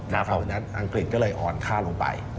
ดังนั้นอังกฤษก็เลยอ่อนค่าลงไป